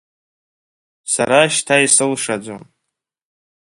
Сара шьҭа исылшаӡом.